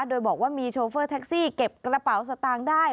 โดยบอกว่ามีโชเฟอร์แท็กซี่เก็บกระเป๋าสตางค์ได้